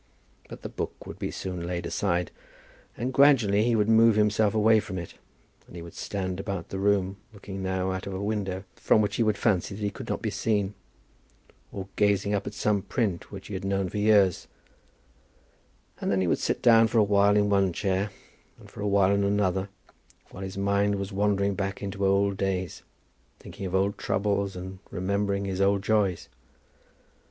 But the book would soon be laid aside, and gradually he would move himself away from it, and he would stand about in the room, looking now out of a window from which he would fancy that he could not be seen, or gazing up at some print which he had known for years; and then he would sit down for a while in one chair, and for a while in another, while his mind was wandering back into old days, thinking of old troubles and remembering his old joys.